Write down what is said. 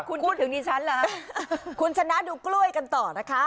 คุณพูดถึงดิฉันเหรอคะคุณชนะดูกล้วยกันต่อนะคะ